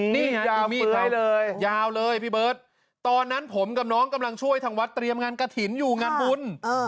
นี่ยาวมีดไว้เลยยาวเลยพี่เบิร์ตตอนนั้นผมกับน้องกำลังช่วยทางวัดเตรียมงานกระถิ่นอยู่งานบุญ